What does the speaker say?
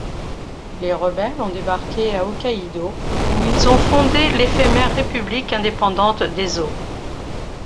Les rebelles ont débarqué à Hokkaidō où ils ont fondé l'éphémère République indépendante d'Ezo.